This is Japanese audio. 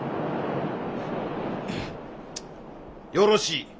よろしい。